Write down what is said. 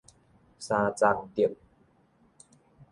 三欉竹